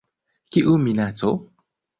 Kiu minaco?